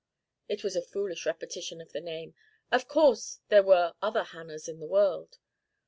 It was a foolish repetition of the name. Of course there were other Hannahs in the world.